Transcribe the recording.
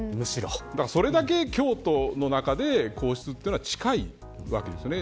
だから、それだけ京都の中で皇室というのは近いわけですよね。